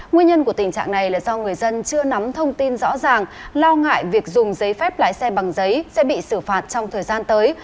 nguyên nhân của tình trạng này là do người dân chưa nắm thông tin rõ ràng lo ngại việc dùng giấy phép lái xe bằng giấy sẽ bị xử phạt trong thời gian tới